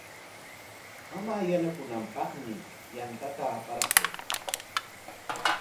Mamaa yanukunanpaqmi yantata aparquu.